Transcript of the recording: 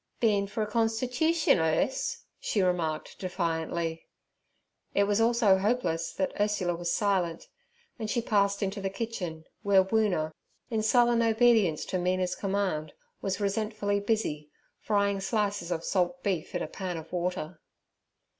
'Been for a constitootion, Urse?' she remarked defiantly. It was all so hopeless that Ursula was silent, and she passed into the kitchen, where Woona, in sullen obedience to Mina's command, was resentfully busy, frying slices of salt beef in a pan of water.